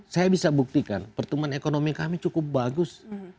saya bisa buktikan pertumbuhan ekonomi kami cukup bagus